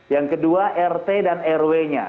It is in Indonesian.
yang kedua rt dan rwnya